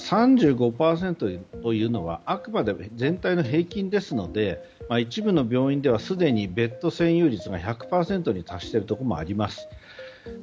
３５％というのはあくまで全体の平均ですので一部の病院ではすでにベッド占有率が１００％に達しているところもあります。